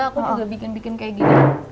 aku juga bikin bikin kayak gini